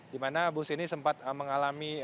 di mana bus ini sempat mengalami